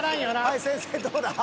［はい先生どうだ？］